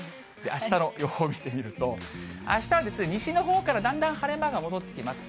あしたの予報を見てみると、あしたは西のほうからだんだん晴れ間が戻ってきます。